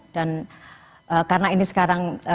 dan karena ini sekarang juga melibatkan